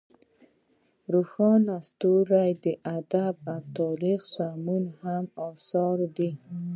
روښان ستوري ادبي او تاریخي سمونې یې هم اثار دي.